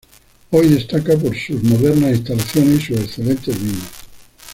Hoy destaca por sus modernas instalaciones y sus excelentes vinos.